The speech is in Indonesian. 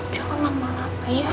jangan lama lama ya